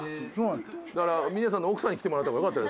だから峰さんの奥さんに来てもらった方がよかった。